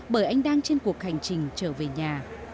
bởi anh đang trên cuộc hành trình trở về nhà